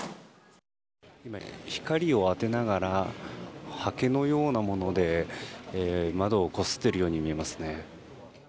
光を当てながらはけのようなもので窓をこすっているように見えますね。